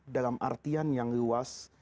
dalam artian yang luas